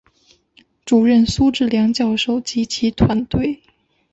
主任苏智良教授及其团队